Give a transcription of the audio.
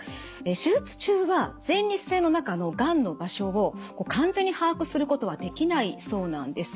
手術中は前立腺の中のがんの場所を完全に把握することはできないそうなんです。